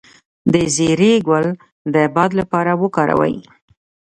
د زیرې ګل د باد لپاره وکاروئ